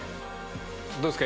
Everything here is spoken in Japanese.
どうですか？